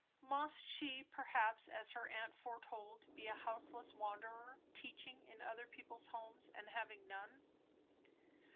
Must she perhaps, as her aunt foretold, be a houseless wanderer, teaching in other people's homes, and having none?